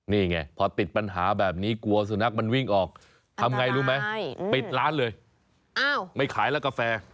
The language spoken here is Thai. นี่ไงพอติดปัญหาแบบนี้กลัวสุนัขมันวิ่งออกทำไงรู้ไหมปิดร้านเลยอ้าวไม่ขายแล้วกาแฟ